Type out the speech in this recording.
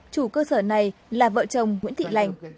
chủ cơ sở này là vợ chồng nguyễn thị lành